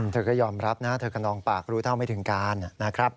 เธอก็ยอมรับนะเธอก็นองปากรู้เท่าไม่ถึงการนะครับ